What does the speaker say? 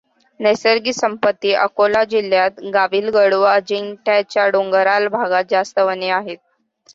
नैसर्गिक संपत्ती अकोला जिल्ह्यात गाविलगड व अजिंठ्याच्या डॊंगरराळ भागात जास्त वने आहेत.